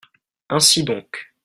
Ainsi donc.